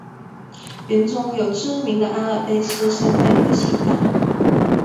园中有知名的阿尔卑斯山脉步行道。